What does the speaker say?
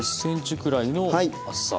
１ｃｍぐらいの厚さ。